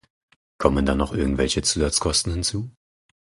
Kommen da noch irgendwelche Zusatzkosten hinzu?